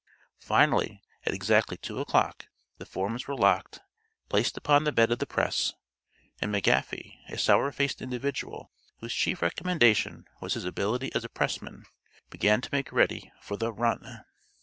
Finally, at exactly two o'clock, the forms were locked, placed upon the bed of the press, and McGaffey, a sour faced individual whose chief recommendation was his ability as a pressman, began to make ready for the "run."